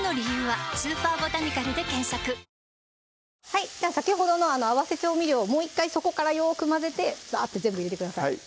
はい先ほどの合わせ調味料をもう１回底からよーく混ぜてバーッて全部入れてください